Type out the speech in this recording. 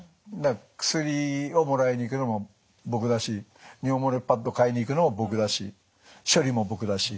薬をもらいに行くのも僕だし尿漏れパッド買いに行くのも僕だし処理も僕だし。